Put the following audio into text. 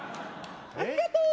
ありがとう！